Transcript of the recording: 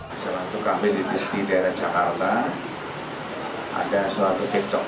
di sebuah kafe di daerah jakarta ada suatu cekcok